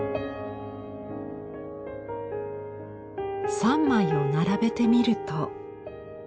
３枚を並べてみると。